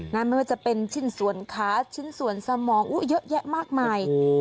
ไม่ว่าจะเป็นชิ้นส่วนขาชิ้นส่วนสมองเยอะแยะมากมาย